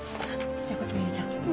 じゃあこっちも入れちゃおう。